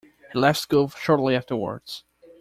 He left school shortly afterwards.